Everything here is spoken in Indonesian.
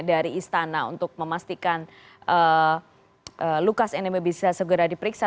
dari istana untuk memastikan lukas nmb bisa segera diperiksa